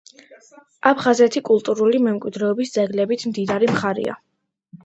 აფხაზეთი კულტურული მემკვიდრეობის ძეგლებით მდიდარი მხარეა.